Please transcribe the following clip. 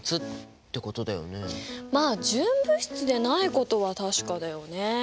まあ純物質でないことは確かだよね。